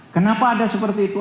kenapa ada seperti itu